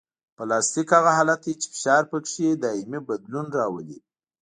پلاستیک هغه حالت دی چې فشار پکې دایمي بدلون راولي